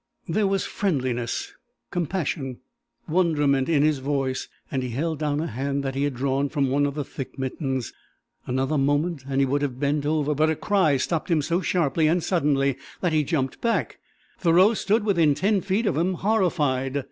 There was friendliness, compassion, wonderment in his voice, and he held down a hand that he had drawn from one of the thick mittens. Another moment and he would have bent over, but a cry stopped him so sharply and suddenly that he jumped back. Thoreau stood within ten feet of him, horrified.